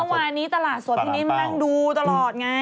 พอมาวานนี้ตลาดสดพี่นิดมันนั่งดูตลอดไง